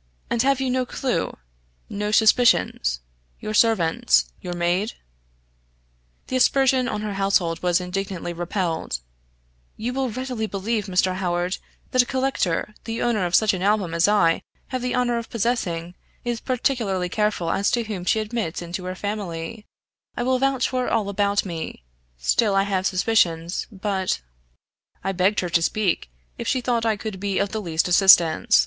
} "And have you no clue, no suspicions? your servants your maid?" The aspersion on her household was indignantly repelled. "You will readily believe, Mr. Howard, that a collector, the owner of such an album as I have the honor of possessing, is particularly careful as to whom she admits into her family. I will vouch for all about me; still I have suspicions but " I begged her to speak, if she thought I could be of the least assistance.